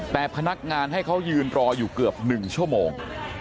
แต่พนักงานให้เขายืนรออยู่เกือบ๑ชั่วโมง